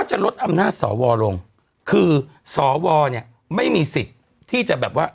จะลดอำนาจสวลงคือสวเนี่ยไม่มีสิทธิ์ที่จะแบบว่า